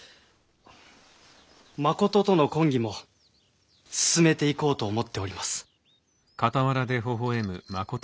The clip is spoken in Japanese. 真琴との婚儀も進めていこうと思っております。